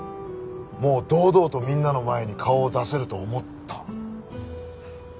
もう堂々とみんなの前に顔を出せると思った。